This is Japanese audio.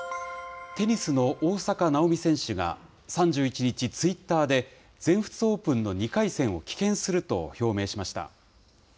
テニスの大坂なおみ選手が、３１日、ツイッターで全仏オープンの２回戦を棄権すると表明しました。